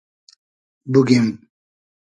بوگیم